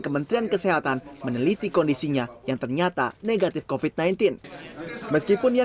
kementerian kesehatan meneliti kondisinya yang ternyata negatif covid sembilan belas meskipun yang